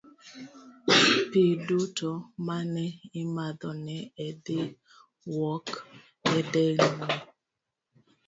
Pi duto ma ne imadho ne dhi wuok e dendi.